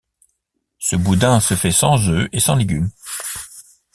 Ce boudin se fait sans œuf et sans légume.